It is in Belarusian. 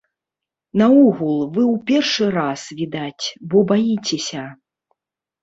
Наогул, вы ў першы раз, відаць, бо баіцеся.